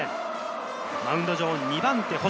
マウンド上、２番手の星。